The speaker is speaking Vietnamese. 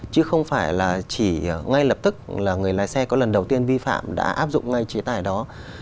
chứ không phải là chỉ ngay lập tức là người lái xe có lần đầu tiên vi phạm đã áp dụng ngay chế tài đó